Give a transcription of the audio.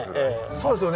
そうですよね？